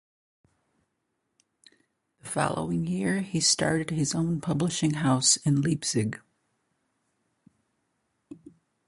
The following year he started his own publishing house in Leipzig.